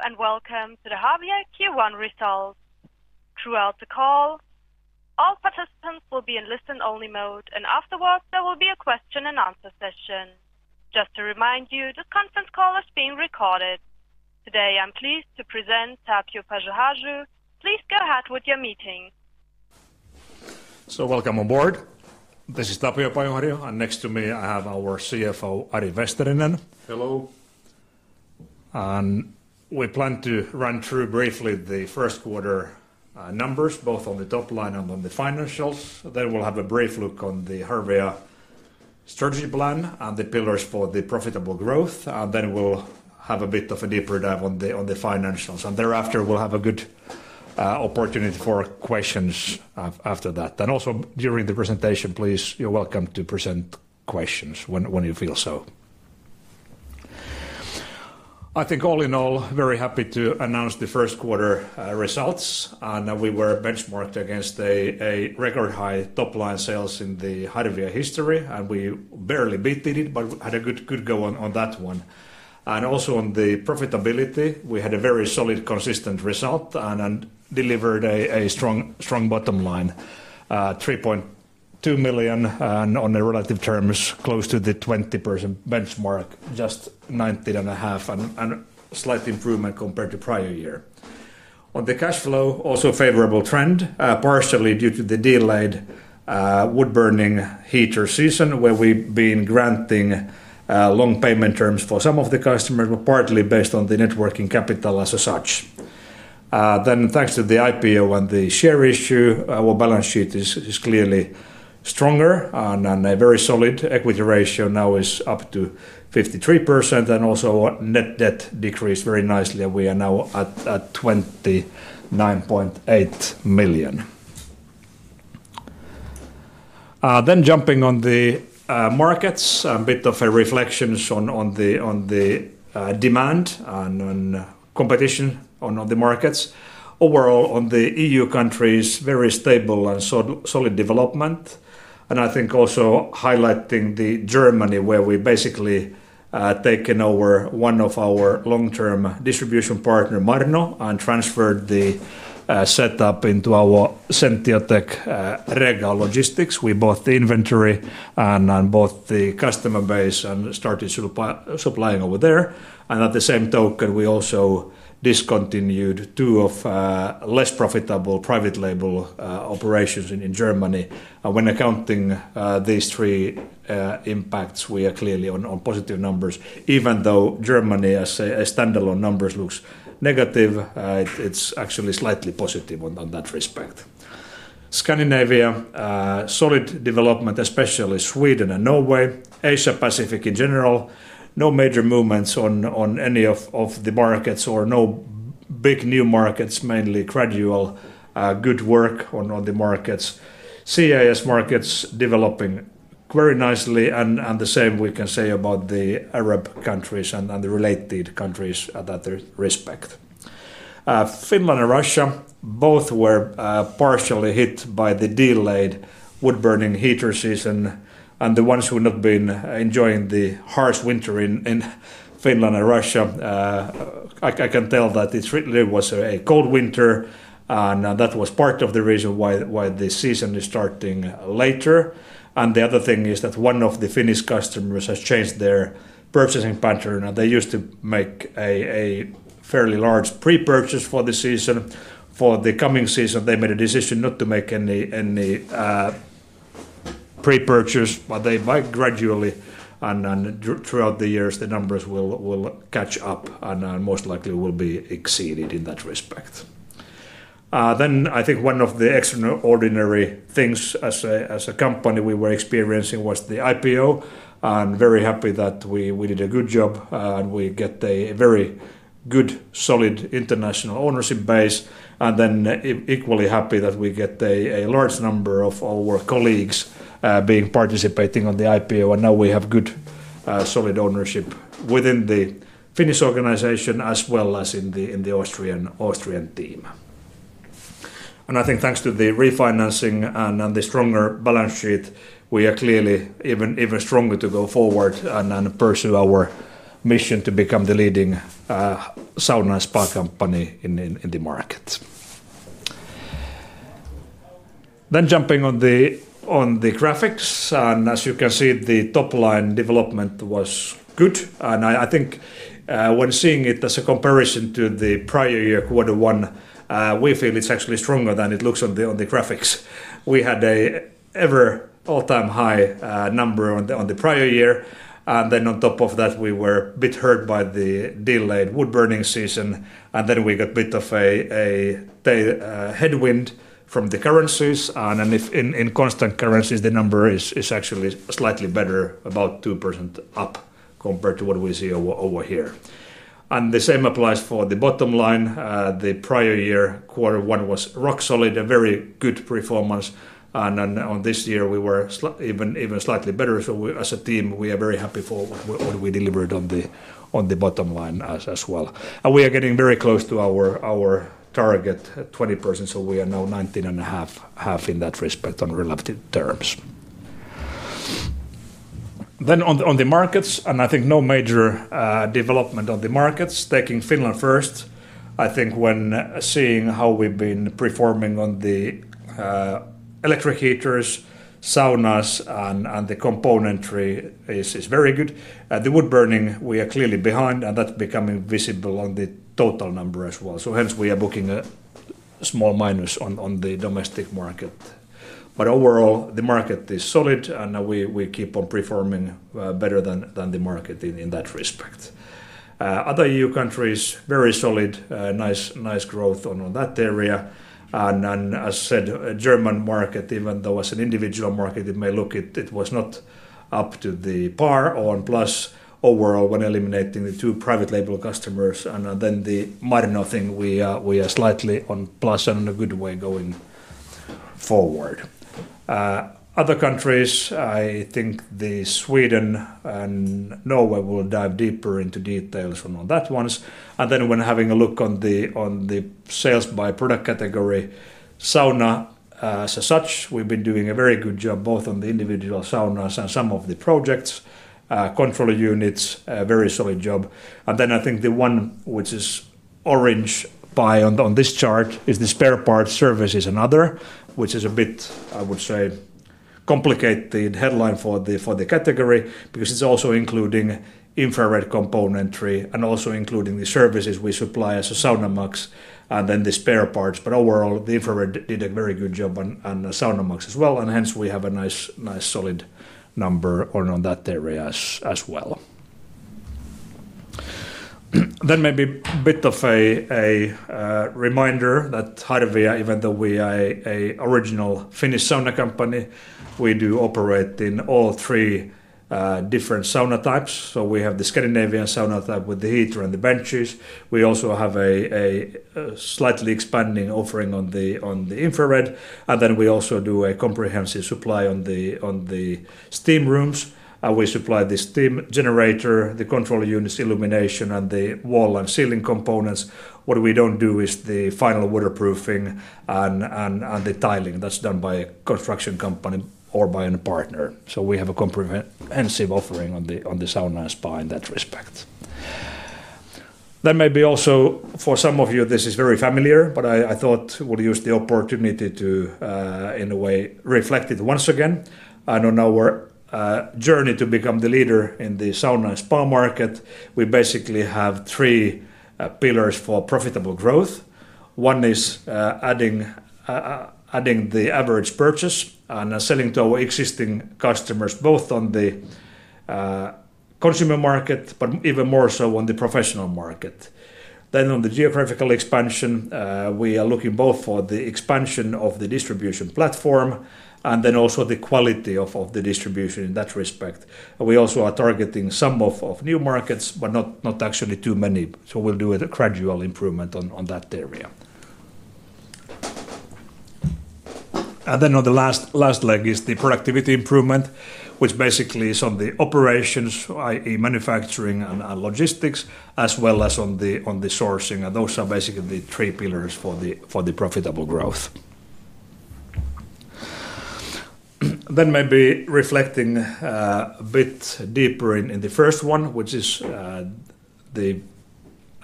Hello and welcome to the Harvia Q1 results. Throughout the call, all participants will be in listen-only mode, and afterwards there will be a question-and-answer session. Just to remind you, this conference call is being recorded. Today, I'm pleased to present Tapio Pajuharju. Please go ahead with your meeting. Welcome on board. This is Tapio Pajuharju, and next to me I have our CFO, Ari Vesterinen. Hello. We plan to run through briefly the first quarter numbers, both on the top line and on the financials. We will have a brief look on the Harvia strategy plan and the pillars for the profitable growth. We will have a bit of a deeper dive on the financials. Thereafter, we will have a good opportunity for questions after that. Also during the presentation, please, you are welcome to present questions when you feel so. I think all in all, very happy to announce the first quarter results. We were benchmarked against a record high top line sales in the Harvia history, and we barely beat it, but had a good go on that one. Also on the profitability, we had a very solid, consistent result and delivered a strong bottom line, 3.2 million, and on the relative terms, close to the 20% benchmark, just 19.5%, and a slight improvement compared to prior year. On the cash flow, also a favorable trend, partially due to the delayed wood burning heater season, where we've been granting long payment terms for some of the customers, but partly based on the working capital as such. Thanks to the IPO and the share issue, our balance sheet is clearly stronger, and a very solid equity ratio now is up to 53%. Also net debt decreased very nicely, and we are now at 29.8 million. Jumping on the markets, a bit of a reflection on the demand and competition on the markets. Overall, on the EU countries, very stable and solid development. I think also highlighting Germany, where we basically taken over one of our long-term distribution partners, Marno, and transferred the setup into our Sentiotec Rega Logistics. We bought the inventory and both the customer base and started supplying over there. At the same token, we also discontinued two of less profitable private label operations in Germany. When accounting these three impacts, we are clearly on positive numbers. Even though Germany, as a standalone numbers, looks negative, it is actually slightly positive on that respect. Scandinavia, solid development, especially Sweden and Norway. Asia-Pacific in general, no major movements on any of the markets or no big new markets, mainly gradual, good work on the markets. CIS markets developing very nicely, and the same we can say about the Arab countries and the related countries that respect. Finland and Russia, both were partially hit by the delayed wood burning heater season. The ones who have not been enjoying the harsh winter in Finland and Russia, I can tell that it really was a cold winter, and that was part of the reason why the season is starting later. The other thing is that one of the Finnish customers has changed their purchasing pattern. They used to make a fairly large pre-purchase for the season. For the coming season, they made a decision not to make any pre-purchase, but they buy gradually, and throughout the years, the numbers will catch up and most likely will be exceeded in that respect. I think one of the extraordinary things as a company we were experiencing was the IPO. I'm very happy that we did a good job, and we get a very good, solid international ownership base. I am equally happy that we get a large number of our colleagues participating in the IPO, and now we have good, solid ownership within the Finnish organization as well as in the Austrian team. I think thanks to the refinancing and the stronger balance sheet, we are clearly even stronger to go forward and pursue our mission to become the leading sauna and spa company in the market. Jumping on the graphics, as you can see, the top line development was good. I think when seeing it as a comparison to the prior year quarter one, we feel it is actually stronger than it looks on the graphics. We had an ever all-time high number on the prior year, and then on top of that, we were bit hurt by the delayed wood burning season, and then we got a bit of a headwind from the currencies. In constant currencies, the number is actually slightly better, about 2% up compared to what we see over here. The same applies for the bottom line. The prior year quarter one was rock solid, a very good performance, and then on this year, we were even slightly better. As a team, we are very happy for what we delivered on the bottom line as well. We are getting very close to our target, 20%, so we are now 19.5 in that respect on relative terms. On the markets, I think no major development on the markets. Taking Finland first, I think when seeing how we've been performing on the electric heaters, saunas, and the componentry is very good. The wood burning, we are clearly behind, and that's becoming visible on the total number as well. Hence, we are booking a small minus on the domestic market. Overall, the market is solid, and we keep on performing better than the market in that respect. Other EU countries, very solid, nice growth on that area. As I said, German market, even though as an individual market, it may look it was not up to the par or on plus overall when eliminating the two private label customers. The Marno thing, we are slightly on plus and in a good way going forward. Other countries, I think the Sweden and Norway will dive deeper into details on that one. Then when having a look on the sales by product category, sauna as such, we've been doing a very good job both on the individual saunas and some of the projects, control units, very solid job. I think the one which is orange pie on this chart is the spare parts services and other, which is a bit, I would say, complicated headline for the category because it's also including infrared componentry and also including the services we supply as a Sauna Max and then the spare parts. Overall, the infrared did a very good job and sauna max as well. Hence, we have a nice solid number on that area as well. Maybe a bit of a reminder that Harvia, even though we are an original Finnish sauna company, we do operate in all three different sauna types. We have the Scandinavian sauna type with the heater and the benches. We also have a slightly expanding offering on the infrared. We also do a comprehensive supply on the steam rooms. We supply the steam generator, the control units, illumination, and the wall and ceiling components. What we do not do is the final waterproofing and the tiling, that is done by a construction company or by a partner. We have a comprehensive offering on the sauna and spa in that respect. Maybe also for some of you, this is very familiar, but I thought we'll use the opportunity to, in a way, reflect it once again on our journey to become the leader in the sauna and spa market. We basically have three pillars for profitable growth. One is adding the average purchase and selling to our existing customers, both on the consumer market, but even more so on the professional market. On the geographical expansion, we are looking both for the expansion of the distribution platform and also the quality of the distribution in that respect. We also are targeting some new markets, but not actually too many. We'll do a gradual improvement on that area. The last leg is the productivity improvement, which basically is on the operations, i.e., manufacturing and logistics, as well as on the sourcing. Those are basically the three pillars for the profitable growth. Maybe reflecting a bit deeper in the first one, which is the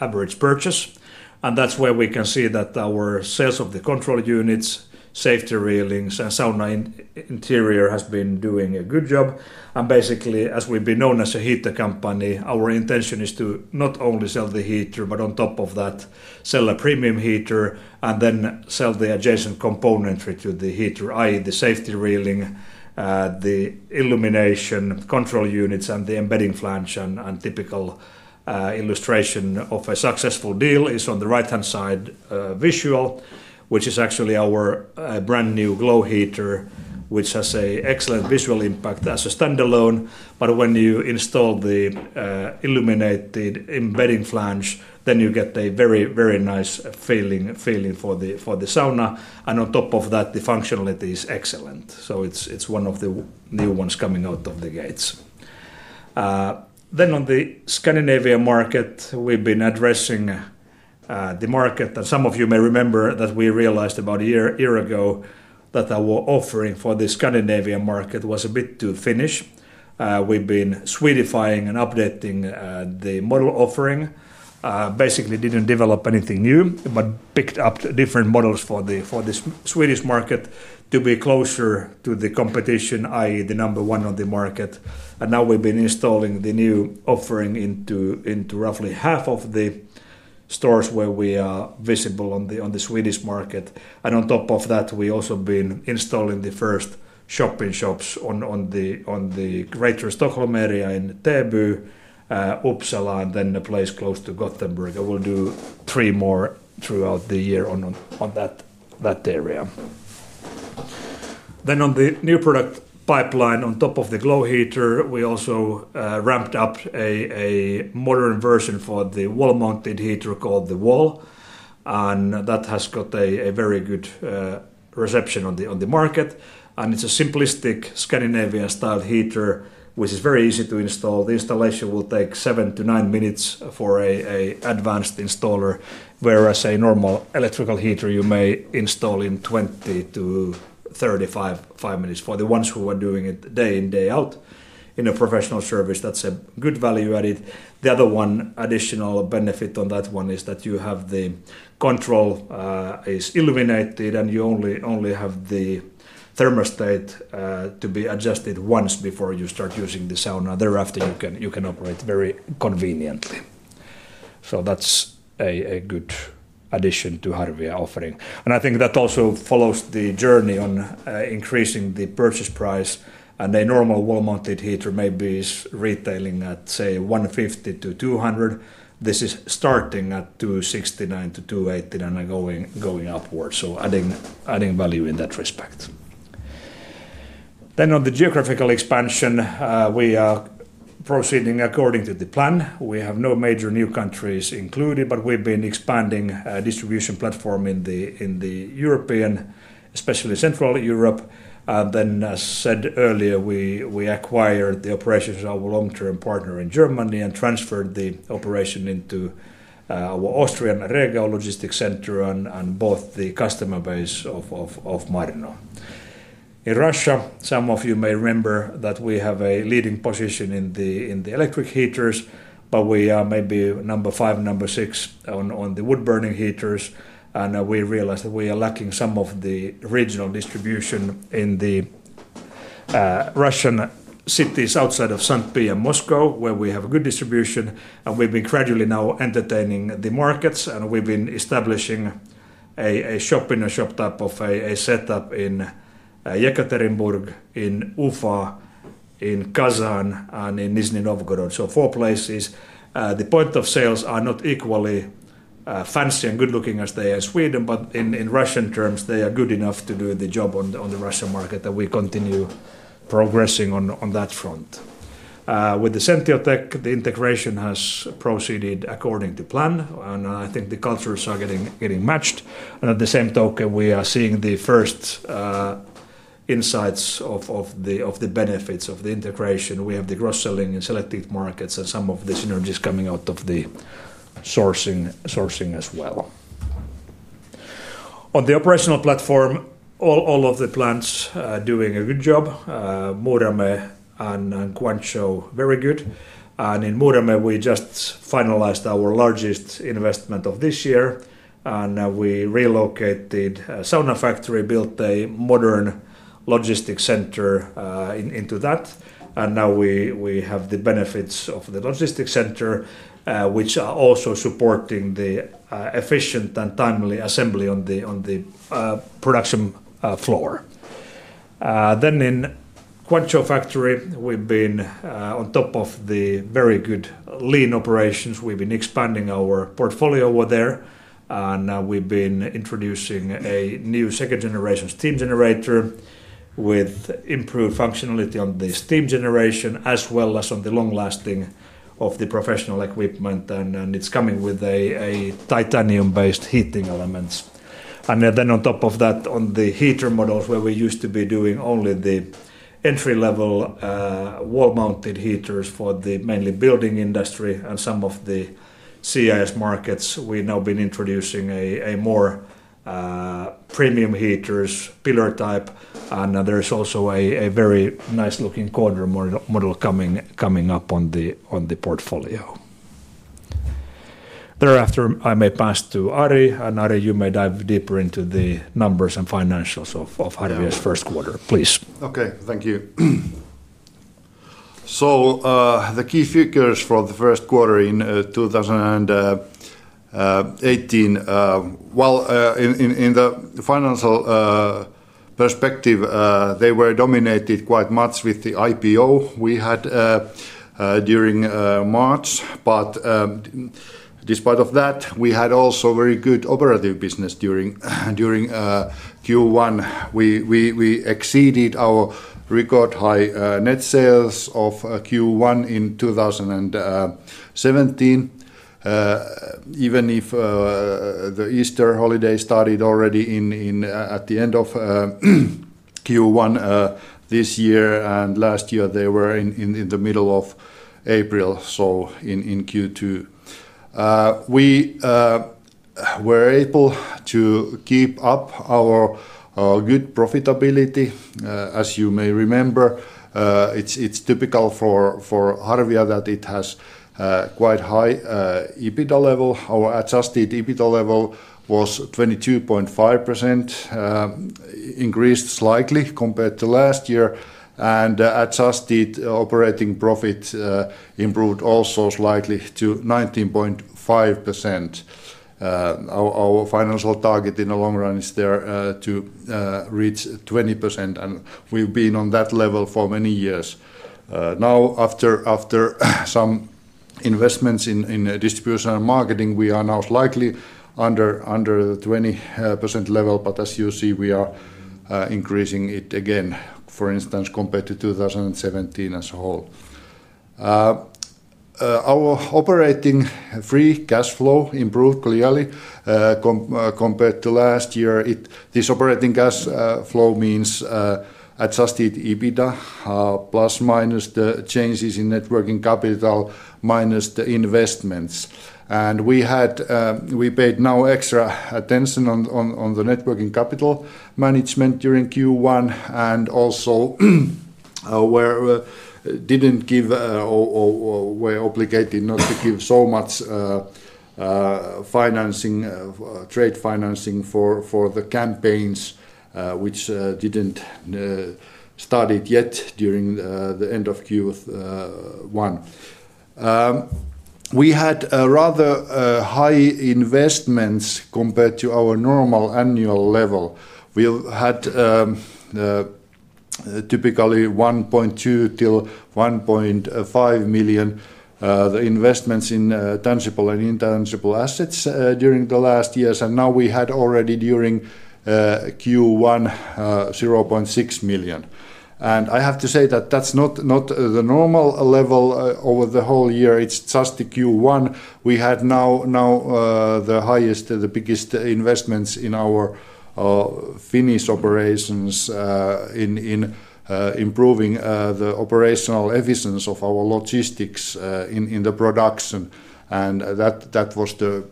average purchase. That is where we can see that our sales of the control units, safety railings, and sauna interior has been doing a good job. Basically, as we've been known as a heater company, our intention is to not only sell the heater, but on top of that, sell a premium heater and then sell the adjacent componentry to the heater, i.e., the safety railing, the illumination, control units, and the embedding flange. A typical illustration of a successful deal is on the right-hand side visual, which is actually our brand new Glow heater, which has an excellent visual impact as a standalone. When you install the illuminated embedding flange, you get a very, very nice feeling for the sauna. On top of that, the functionality is excellent. It is one of the new ones coming out of the gates. In the Scandinavian market, we have been addressing the market. Some of you may remember that we realized about a year ago that our offering for the Scandinavian market was a bit too Finnish. We have been swedifying and updating the model offering. Basically, did not develop anything new, but picked up different models for the Swedish market to be closer to the competition, i.e., the number one on the market. We have been installing the new offering into roughly half of the stores where we are visible on the Swedish market. On top of that, we have also been installing the first shop-in-shops in the greater Stockholm area in Täby, Uppsala, and the place close to Gothenburg. We will do three more throughout the year on that area. On the new product pipeline, on top of the Glow heater, we also ramped up a modern version for the wall-mounted heater called the Wall. That has got a very good reception on the market. It is a simplistic Scandinavian style heater, which is very easy to install. The installation will take seven to nine minutes for an advanced installer, whereas a normal electrical heater you may install in 2035 minutes. For the ones who are doing it day in, day out in a professional service, that is a good value added. The other one additional benefit on that one is that you have the control is illuminated, and you only have the thermostat to be adjusted once before you start using the sauna. Thereafter, you can operate very conveniently. That's a good addition to Harvia offering. I think that also follows the journey on increasing the purchase price. A normal wall-mounted heater may be retailing at, say, 150-200. This is starting at 269-289 and going upwards. Adding value in that respect. On the geographical expansion, we are proceeding according to the plan. We have no major new countries included, but we've been expanding distribution platform in the European, especially Central Europe. As said earlier, we acquired the operations of our long-term partner in Germany and transferred the operation into our Austrian Rega Logistics Center and both the customer base of Marno. In Russia, some of you may remember that we have a leading position in the electric heaters, but we are maybe number five, number six on the wood burning heaters. We realized that we are lacking some of the regional distribution in the Russian cities outside of Saint Petersburg and Moscow, where we have good distribution. We have been gradually now entertaining the markets. We have been establishing a shop-in-a-shop type of a setup in Yekaterinburg, in Ufa, in Kazan, and in Nizhny Novgorod. That is four places. The point of sales are not equally fancy and good looking as they are in Sweden, but in Russian terms, they are good enough to do the job on the Russian market. We continue progressing on that front. With the Sentiotec, the integration has proceeded according to plan. I think the cultures are getting matched. At the same token, we are seeing the first insights of the benefits of the integration. We have the gross selling in selected markets and some of the synergies coming out of the sourcing as well. On the operational platform, all of the plants are doing a good job. Muurame and Guangzhou, very good. In Muurame, we just finalized our largest investment of this year. We relocated a sauna factory, built a modern logistics center into that. Now we have the benefits of the logistics center, which are also supporting the efficient and timely assembly on the production floor. In the Guangzhou factory, we've been on top of the very good lean operations. We've been expanding our portfolio over there. We've been introducing a new second-generation steam generator with improved functionality on the steam generation as well as on the long lasting of the professional equipment. It is coming with a titanium-based heating element. Then on top of that, on the heater models where we used to be doing only the entry-level wall-mounted heaters for the mainly building industry and some of the CIS markets, we've now been introducing a more premium heaters, pillar type. There is also a very nice-looking corner model coming up on the portfolio. Thereafter, I may pass to Ari. Ari, you may dive deeper into the numbers and financials of Harvia's first quarter, please. Okay, thank you. The key figures for the first quarter in 2018, in the financial perspective, they were dominated quite much with the IPO we had during March. Despite that, we had also very good operative business during Q1. We exceeded our record high net sales of Q1 in 2017, even if the Easter holiday started already at the end of Q1 this year. Last year, they were in the middle of April, so in Q2. We were able to keep up our good profitability. As you may remember, it's typical for Harvia that it has quite high EBITDA level. Our adjusted EBITDA level was 22.5%, increased slightly compared to last year. The adjusted operating profit improved also slightly to 19.5%. Our financial target in the long run is there to reach 20%. We've been on that level for many years. Now, after some investments in distribution and marketing, we are now slightly under the 20% level. As you see, we are increasing it again, for instance, compared to 2017 as a whole. Our operating free cash flow improved clearly compared to last year. This operating cash flow means adjusted EBITDA plus minus the changes in net working capital minus the investments. We paid extra attention on the net working capital management during Q1 and also did not give or were obligated not to give so much financing, trade financing for the campaigns, which did not start yet during the end of Q1. We had rather high investments compared to our normal annual level. We had typically 1.2 million-1.5 million investments in tangible and intangible assets during the last years. Now we had already during Q1, 0.6 million. I have to say that is not the normal level over the whole year. It is just Q1. We had the highest and the biggest investments in our Finnish operations in improving the operational efficiency of our logistics in the production. That was the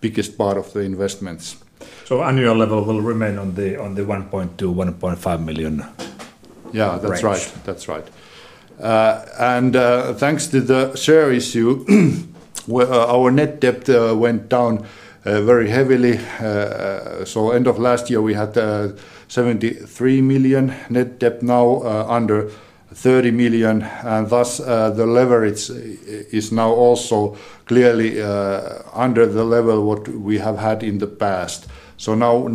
biggest part of the investments. The annual level will remain in the 1.2 million-1.5 million range. Yeah, that is right. That is right. Thanks to the share issue, our net debt went down very heavily. End of last year, we had 73 million net debt, now under 30 million. Thus, the leverage is now also clearly under the level we have had in the past, now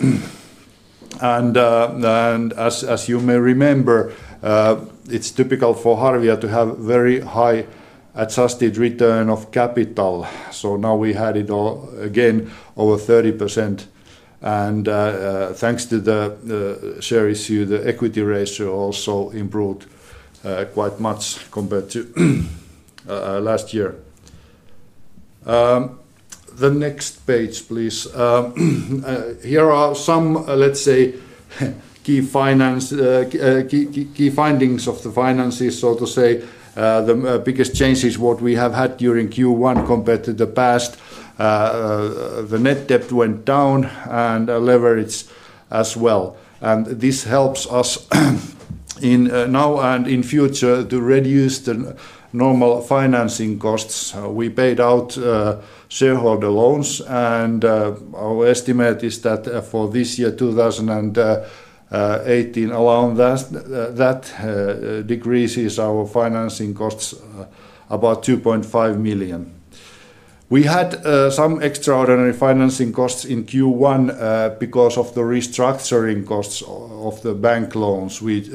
2.4. As you may remember, it is typical for Harvia to have very high adjusted return of capital. Now we had it again over 30%. Thanks to the share issue, the equity ratio also improved quite much compared to last year. The next page, please. Here are some, let's say, key findings of the finances, so to say. The biggest changes we have had during Q1 compared to the past: the net debt went down and leverage as well. This helps us now and in future to reduce the normal financing costs. We paid out shareholder loans. Our estimate is that for this year, 2018, along that decrease, our financing costs are about 2.5 million. We had some extraordinary financing costs in Q1 because of the restructuring costs of the bank loans. We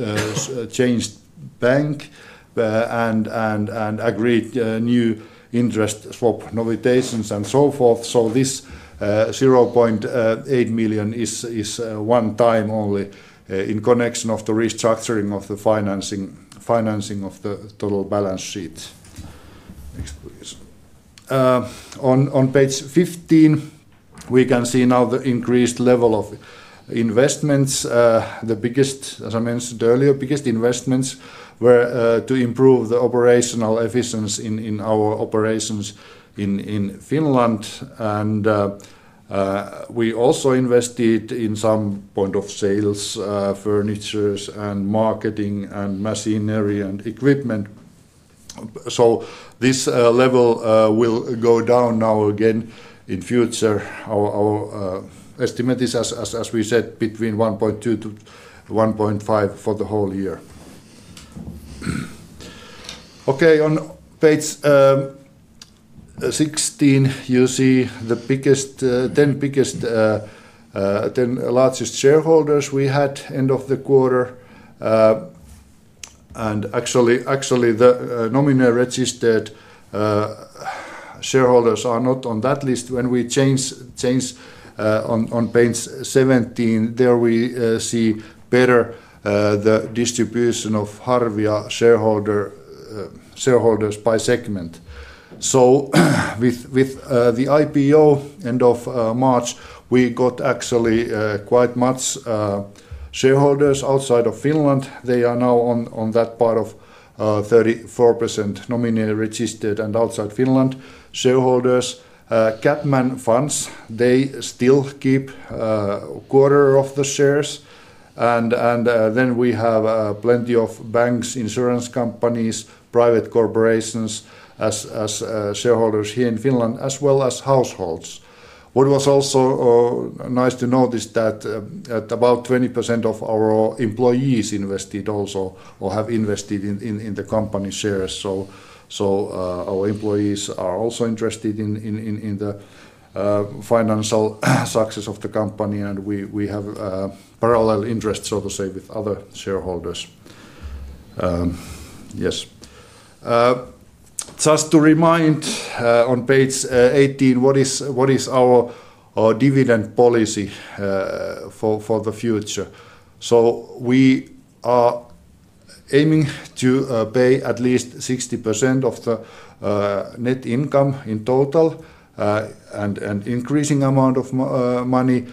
changed bank and agreed new interest swap notations and so forth. This 0.8 million is one time only in connection of the restructuring of the financing of the total balance sheet. Next, please. On page 15, we can see now the increased level of investments. The biggest, as I mentioned earlier, biggest investments were to improve the operational efficiency in our operations in Finland. We also invested in some point of sales, furnitures and marketing and machinery and equipment. This level will go down now again in future. Our estimate is, as we said, between 1.2 million-1.5 million for the whole year. Okay, on page 16, you see the 10 largest shareholders we had end of the quarter. Actually, the nominee registered shareholders are not on that list. When we change on page 17, there we see better the distribution of Harvia shareholders by segment. With the IPO end of March, we got actually quite much shareholders outside of Finland. They are now on that part of 34% nominee registered and outside Finland shareholders. CapMan Funds, they still keep a quarter of the shares. We have plenty of banks, insurance companies, private corporations as shareholders here in Finland, as well as households. What was also nice to notice is that about 20% of our employees invested also or have invested in the company shares. Our employees are also interested in the financial success of the company. We have parallel interest, so to say, with other shareholders. Yes. Just to remind on page 18, what is our dividend policy for the future? We are aiming to pay at least 60% of the net income in total and increasing amount of money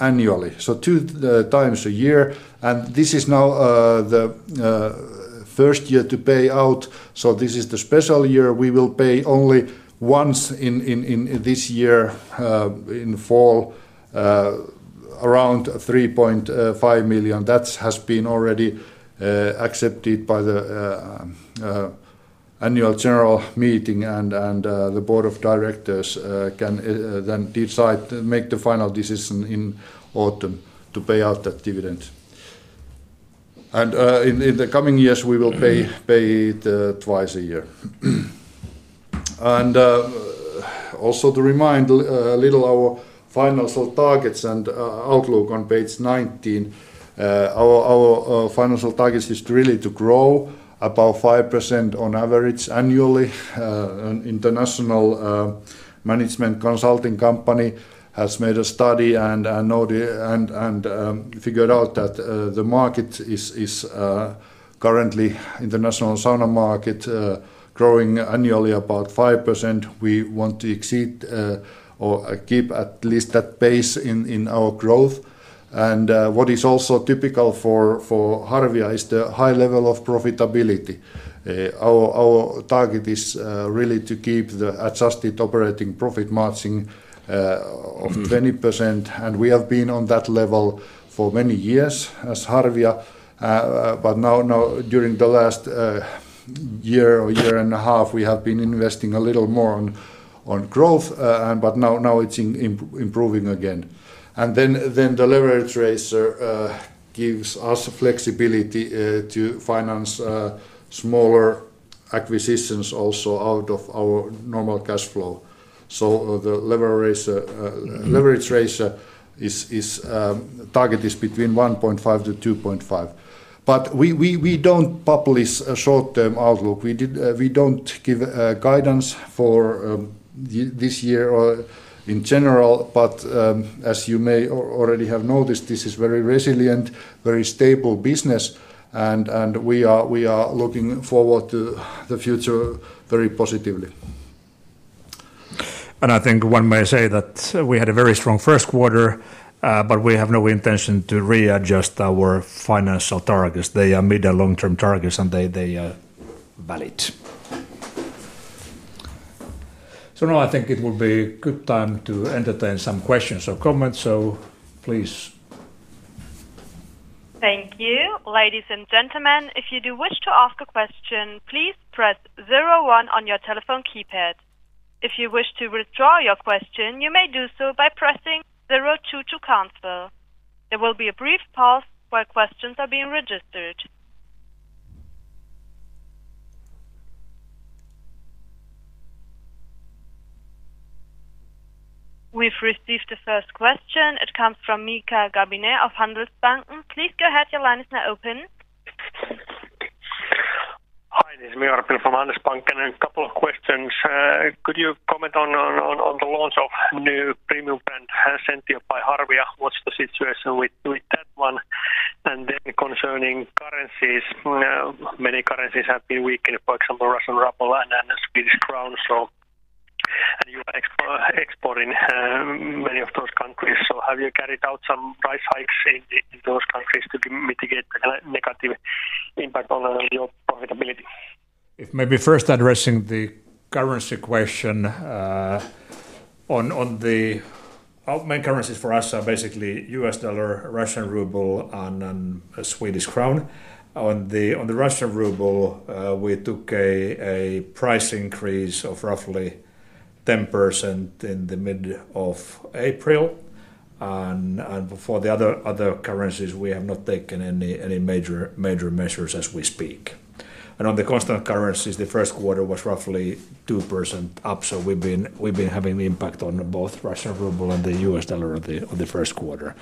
annually, two times a year. This is now the first year to pay out. This is the special year. We will pay only once in this year in fall, around 3.5 million. That has been already accepted by the annual general meeting. The board of directors can then decide, make the final decision in autumn to pay out that dividend. In the coming years, we will pay twice a year. Also to remind a little our financial targets and outlook on page 19. Our financial target is really to grow about 5% on average annually. An international management consulting company has made a study and figured out that the market is currently international sauna market growing annually about 5%. We want to exceed or keep at least that pace in our growth. What is also typical for Harvia is the high level of profitability. Our target is really to keep the adjusted operating profit margin of 20%. We have been on that level for many years as Harvia. Now, during the last year or year and a half, we have been investing a little more on growth. Now it's improving again. The leverage ratio gives us flexibility to finance smaller acquisitions also out of our normal cash flow. The leverage ratio target is between 1.5-2.5. We don't publish a short-term outlook. We don't give guidance for this year in general. As you may already have noticed, this is a very resilient, very stable business. We are looking forward to the future very positively. I think one may say that we had a very strong first quarter, but we have no intention to readjust our financial targets. They are mid and long-term targets, and they are valid. Now I think it would be a good time to entertain some questions or comments. Please. Thank you. Ladies and gentlemen, if you do wish to ask a question, please press 01 on your telephone keypad. If you wish to withdraw your question, you may do so by pressing 02 to cancel. There will be a brief pause while questions are being registered. We've received the first question. It comes from Mika Karppinen of Handelsbanken. Please go ahead. Your line is now open. Hi, this is Mika from Handelsbanken. A couple of questions. Could you comment on the launch of new premium brand Sentiotec by Harvia? What's the situation with that one? Concerning currencies, many currencies have been weakened, for example, Russian ruble and Swedish krona. You are exporting to many of those countries. Have you carried out some price hikes in those countries to mitigate the negative impact on your profitability? If maybe first addressing the currency question, the main currencies for us are basically U.S. dollar, Russian ruble, and Swedish krona. On the Russian ruble, we took a price increase of roughly 10% in the middle of April. For the other currencies, we have not taken any major measures as we speak. On the constant currencies, the first quarter was roughly 2% up. We have been having impact on both Russian ruble and the US dollar in the first quarter.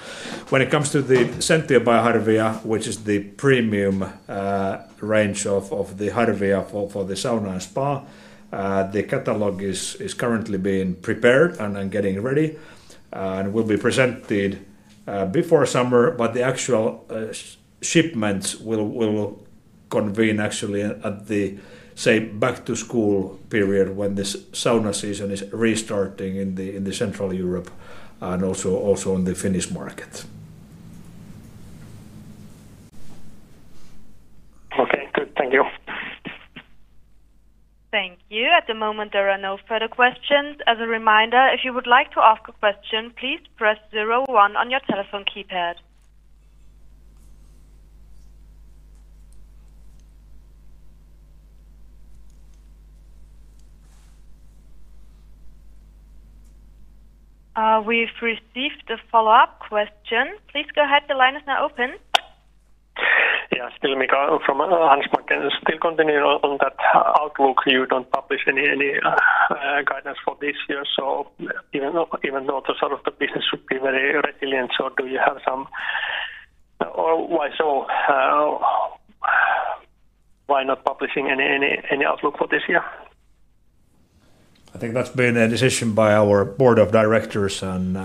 When it comes to the Sentiotec by Harvia, which is the premium range of the Harvia for the sauna and spa, the catalog is currently being prepared and getting ready. It will be presented before summer. The actual shipments will convene actually at the, say, back-to-school period when this sauna season is restarting in Central Europe and also on the Finnish market. Okay, good. Thank you. Thank you. At the moment, there are no further questions. As a reminder, if you would like to ask a question, please press 01 on your telephone keypad. We've received a follow-up question. Please go ahead. The line is now open. Yeah, still Mika from Handelsbanken. Still continuing on that outlook. You don't publish any guidance for this year. Even though the sort of the business should be very resilient, do you have some or why so? Why not publishing any outlook for this year? I think that's been a decision by our board of directors and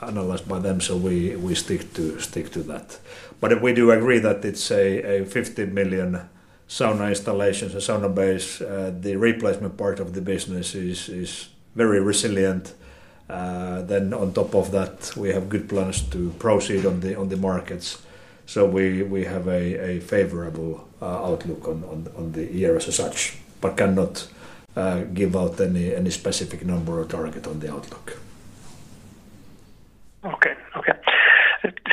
analyzed by them. We stick to that. If we do agree that it's a 15 million sauna installations and sauna bays, the replacement part of the business is very resilient. On top of that, we have good plans to proceed on the markets. We have a favorable outlook on the year as such, but cannot give out any specific number or target on the outlook. Okay, okay.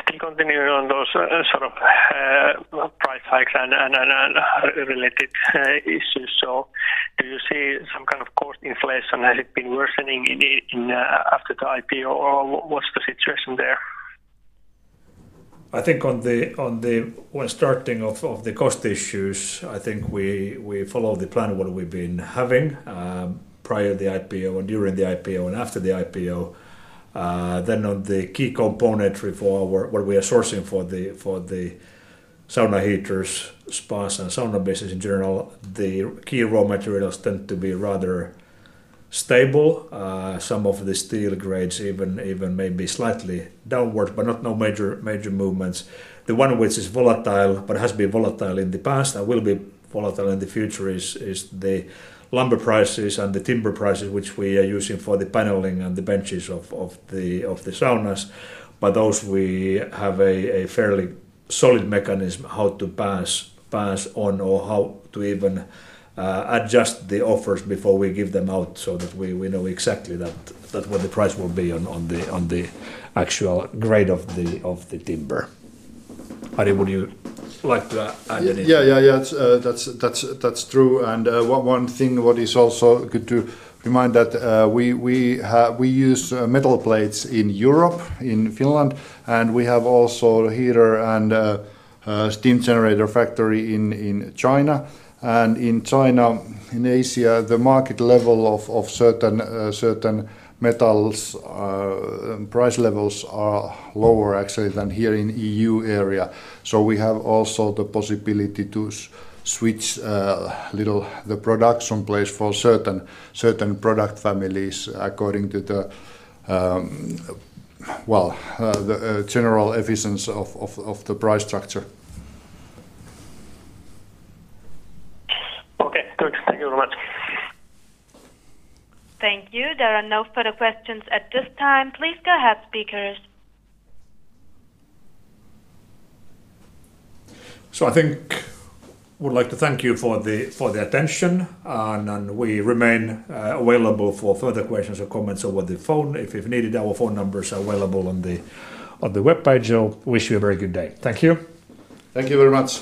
Still continuing on those sort of price hikes and related issues. Do you see some kind of cost inflation? Has it been worsening after the IPO? What's the situation there? I think on the starting of the cost issues, I think we follow the plan of what we've been having prior to the IPO and during the IPO and after the IPO. On the key component for what we are sourcing for the sauna heaters, spas, and sauna business in general, the key raw materials tend to be rather stable. Some of the steel grades even may be slightly downward, but no major movements. The one which is volatile, but has been volatile in the past and will be volatile in the future, is the lumber prices and the timber prices, which we are using for the paneling and the benches of the saunas. We have a fairly solid mechanism how to pass on or how to even adjust the offers before we give them out so that we know exactly what the price will be on the actual grade of the timber. Ari, would you like to add anything? Yeah, yeah, yeah. That's true. One thing what is also good to remind that we use metal plates in Europe, in Finland. We have also a heater and steam generator factory in China. In China, in Asia, the market level of certain metals' price levels are lower actually than here in the E.U. area. We have also the possibility to switch a little the production place for certain product families according to the, well, the general efficiency of the price structure. Okay, good. Thank you very much. Thank you. There are no further questions at this time. Please go ahead, speakers. I think I would like to thank you for the attention. We remain available for further questions or comments over the phone. If needed, our phone numbers are available on the webp age. Wish you a very good day. Thank you. Thank you very much.